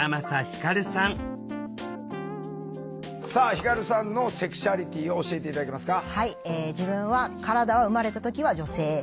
輝さんのセクシュアリティーを教えて頂けますか。